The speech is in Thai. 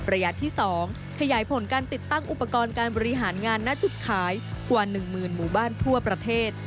ระยะที่๒ขยายผลการติดตั้งอุปกรณ์การบริหารงานณจุดขายกว่า๑๐๐๐หมู่บ้านทั่วประเทศ